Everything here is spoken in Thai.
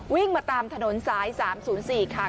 วิ่งมาตามถนนสาย๓๐๔ค่ะ